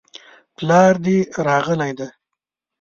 پلار دي راغلی دی؟